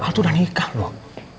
al tuh udah nikah loh